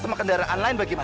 sama kendaraan lain bagaimana